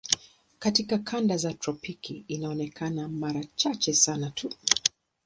Katika kanda ya tropiki inaonekana mara chache sana tu.